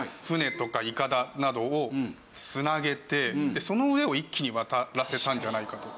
舟とか筏などを繋げてその上を一気に渡らせたんじゃないかと。